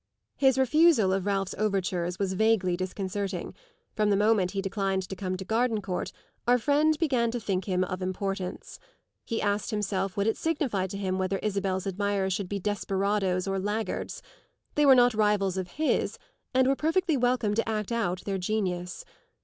His refusal of Ralph's overtures was vaguely disconcerting; from the moment he declined to come to Gardencourt our friend began to think him of importance. He asked himself what it signified to him whether Isabel's admirers should be desperadoes or laggards; they were not rivals of his and were perfectly welcome to act out their genius.